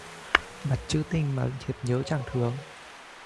Bắt lấy chữ tình mà thiếp nhớ chàng thương